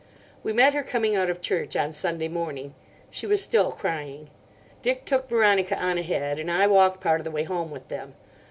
We met her coming out of church on Sunday morning. She was still crying. Dick took Veronica on ahead, and I walked part of the way home with them.